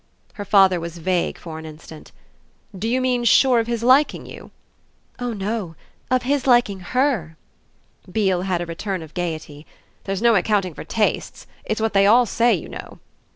Her father was vague for an instant. "Do you mean sure of his liking you?" "Oh no; of his liking HER!" Beale had a return of gaiety. "There's no accounting for tastes! It's what they all say, you know."